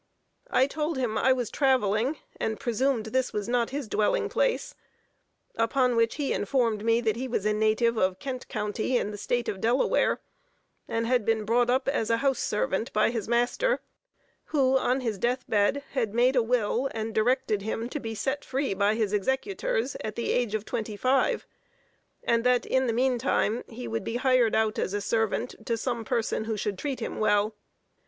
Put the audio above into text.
I told him I was traveling, and presumed this was not his dwelling place: upon which he informed me that he was a native of Kent county, in the State of Delaware, and had been brought up as a house servant by his master, who, on his death bed, had made his will, and directed him to be set free by his executors, at the age of twenty five, and that in the meantime he would be hired out as a servant to some person who should treat him well.